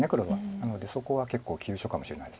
なのでそこは結構急所かもしれないです。